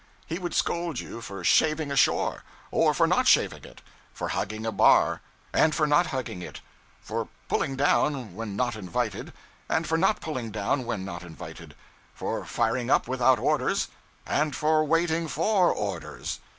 He would scold you for shaving a shore, and for not shaving it; for hugging a bar, and for not hugging it; for 'pulling down' when not invited, and for not pulling down when not invited; for firing up without orders, and for waiting for orders.